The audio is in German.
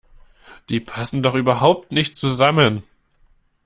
Die passen doch überhaupt nicht zusammen!